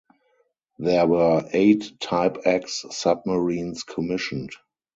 There were eight Type X submarines commissioned.